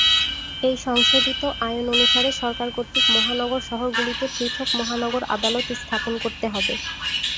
এই সংশোধিত আইন অনুসারে, সরকার কর্তৃক মহানগর শহরগুলিতে পৃথক মহানগর আদালত স্থাপন করতে হবে।